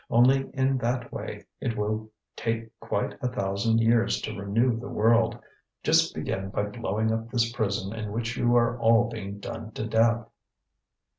Only in that way it will take quite a thousand years to renew the world. Just begin by blowing up this prison in which you are all being done to death!"